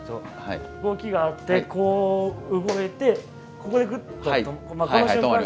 動きがあってこう動いてここでグッと止まる。